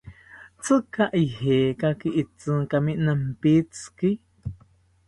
¿Tzika ijekaki itzinkami nampitziki?